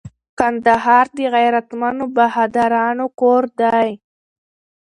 کندهار د غیرتمنو بهادرانو کور دي